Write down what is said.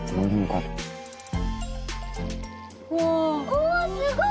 おすごい。